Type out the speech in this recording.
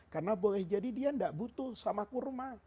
karena boleh jadi dia tidak butuh sama kurma